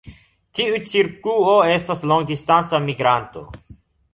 Tiu cirkuo estas longdistanca migranto.